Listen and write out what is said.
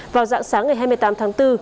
vào dạng sáng ngày hai mươi tám tháng bốn